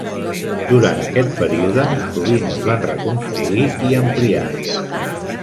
Durant aquest període, sovint es van reconstruir i ampliar.